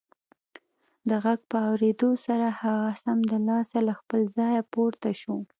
د غږ په اورېدو سره هغه سمدلاسه له خپله ځايه پورته شو